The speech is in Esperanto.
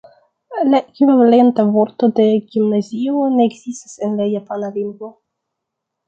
La ekvivalenta vorto de "gimnazio" ne ekzistas en la Japana lingvo.